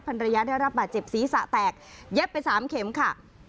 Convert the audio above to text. ภรรยาได้รับบาดเจ็บศีรษะแตกเย็บไปสามเข็มค่ะ